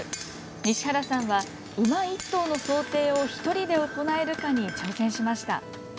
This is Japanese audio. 西原さんは馬１頭の装蹄を１人で行えるかに挑戦しました。